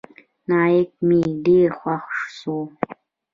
نايک مې ډېر خوښ سو.